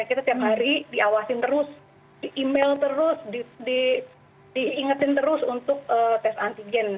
kita tiap hari diawasin terus di email terus diingetin terus untuk tes antigen